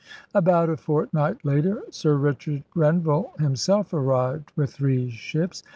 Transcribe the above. About a fortnight later Sir Richard Grenville himself arrived with three ships.